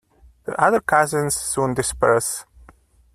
The other cousins soon disperse.